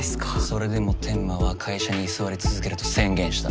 それでも天間は会社に居座り続けると宣言した。